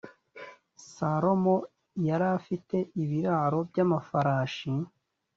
salomo yari afite ibiraro by ‘amafarashi.